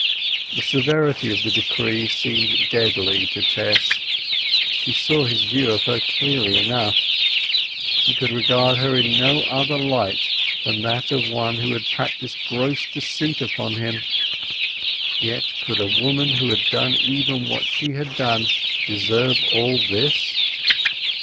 The severity of the decree seemed deadly to Tess; she saw his view of her clearly enough; he could regard her in no other light than that of one who had practised gross deceit upon him. Yet could a woman who had done even what she had done deserve all this?